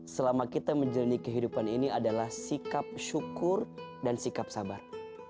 selama kita menjalani kehidupan ini adalah sikap syukur dan sikap sabar